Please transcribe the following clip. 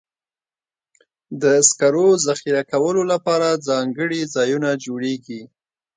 د سکرو ذخیره کولو لپاره ځانګړي ځایونه جوړېږي.